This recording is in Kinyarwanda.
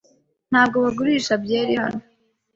Ntabwo bagurisha byeri hano.